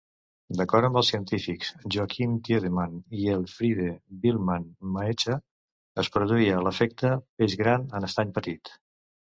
D'acord amb els científics Joaquim Tiedemann i Elfriede Billmann-Mahecha, es produïa l'efecte "Peix gran en estany petit".